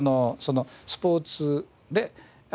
スポーツで。